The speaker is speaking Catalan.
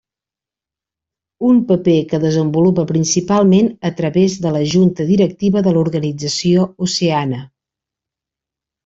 Un paper que desenvolupa principalment a través de la junta directiva de l'organització Oceana.